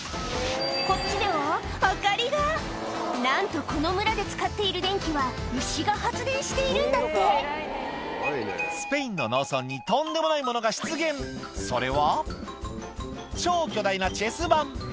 こっちでは明かりがなんとこの村で使っている電気は牛が発電しているんだってスペインの農村にとんでもないものが出現それは超巨大なチェス盤！